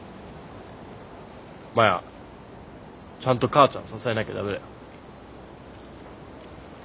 マヤちゃんと母ちゃん支えなきゃ駄目だよ。